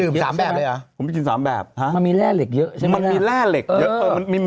มันก็มีแร่เหล็กเยอะใช่ไหมครับมันมีแร่เหล็กเยอะใช่ไหมครับมันมีแร่เหล็กเยอะ